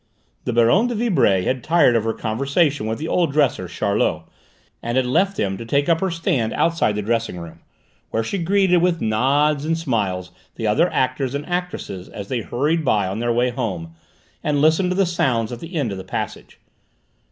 The Baronne de Vibray had tired of her conversation with the old dresser, Charlot, and had left him to take up her stand outside the dressing room, where she greeted with nods and smiles the other actors and actresses as they hurried by on their way home, and listened to the sounds at the end of the passage.